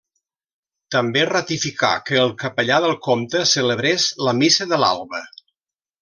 També ratificà que el capellà del Comte celebrés la missa de l'alba.